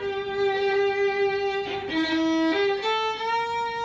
ที่เป็นมุมตัดย์ที่แถมใจการต่อออกมา